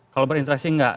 kalau berinteraksi enggak